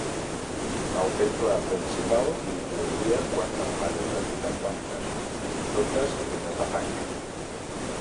El temple principal inclouria quatre fases arquitectòniques, totes fetes de fang.